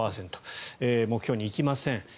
目標に行きません。